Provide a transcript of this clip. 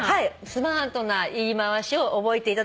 スマートな言い回しを覚えていただけたらなと思います。